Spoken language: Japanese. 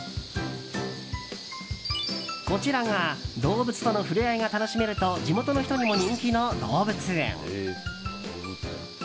こちらが動物との触れ合いが楽しめると地元の人にも人気の動物園。